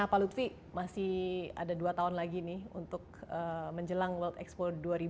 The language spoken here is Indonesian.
nah pak lutfi masih ada dua tahun lagi nih untuk menjelang world expo dua ribu dua puluh